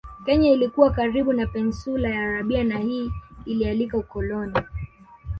Kenya ilikuwa karibu na Peninsula ya Arabia na hii ilialika ukoloni